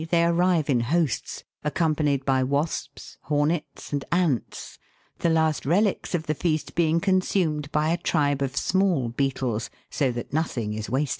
they arrive in hosts, accompanied by wasps, hornets, and ants, the last relics of the feast being consumed by a tribe of small beetles, so that nothing is wasted.